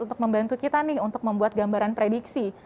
untuk membantu kita nih untuk membuat gambaran prediksi